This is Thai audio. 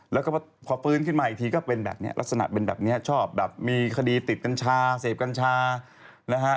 แล้วก็พอฟื้นขึ้นมาอีกทีก็เป็นแบบนี้ลักษณะเป็นแบบนี้ชอบแบบมีคดีติดกัญชาเสพกัญชานะฮะ